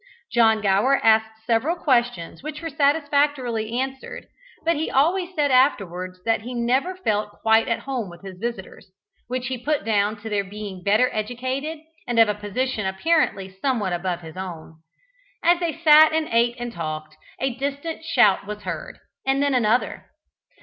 John Gower asked several questions which were satisfactorily answered, but he always said afterwards that he never felt quite at home with his visitors, which he put down to their being better educated and of a position apparently somewhat above his own. As they sat and ate and talked, a distant shout was heard, and then another.